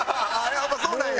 やっぱそうなんや。